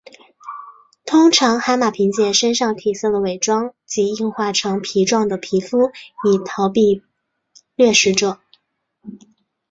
通常海马凭借身上体色的伪装及硬化成皮状的皮肤以逃避掠食者。